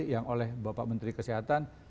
yang oleh bapak menteri kesehatan